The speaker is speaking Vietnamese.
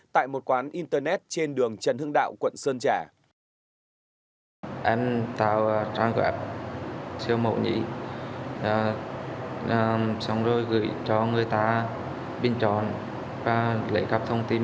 tại một quán internet trên đường trần hưng đạo quận sơn trà